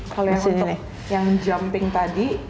kalau yang untuk yang jumping tadi